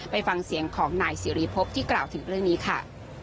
ไปฟังเสียงของนายสิริพบที่กล่าวถึงเรื่องนี้ค่ะ